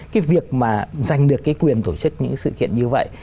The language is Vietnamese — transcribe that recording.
cái việc mà giành được cái quyền tổ chức những sự kiện như vậy